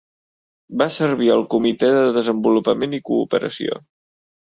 Va servir al Comitè de Desenvolupament i Cooperació.